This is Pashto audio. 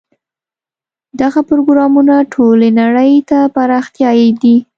دغه پروګرامونه ټولې نړۍ ته پراختیايي دي.